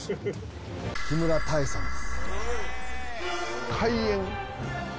木村多江さんです。